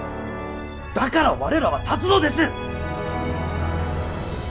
だから我らは立つのです！